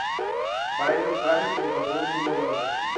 Para ello Garret le incorporó un turbo nuevo.